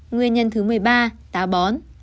nguyên nhân thứ một mươi ba táo bón